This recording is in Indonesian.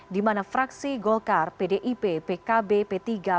di mana fraksi golkar pdip pkb p tiga pan gerindra menyatakan persetujuannya